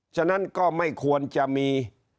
ฉะนั้นก็ไม่ควรจะมี